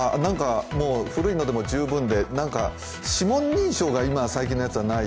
古いのでも十分で指紋認証が最近のものはない。